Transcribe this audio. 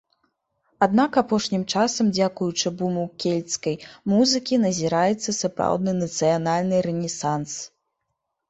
Аднак апошнім часам дзякуючы буму кельцкай музыкі назіраецца сапраўдны нацыянальны рэнесанс.